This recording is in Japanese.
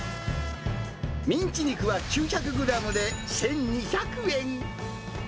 ミンチ肉は９００グラムで１２００円。